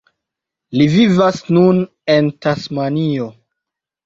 Li vivas nun en Tasmanio.